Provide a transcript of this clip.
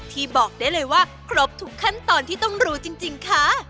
บอกได้เลยว่าครบทุกขั้นตอนที่ต้องรู้จริงค่ะ